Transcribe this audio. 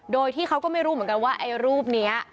โดยที่เขาก็ไม่รู้เหมือนกันว่าไอ้รูปนี้